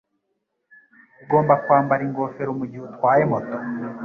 Ugomba kwambara ingofero mugihe utwaye moto.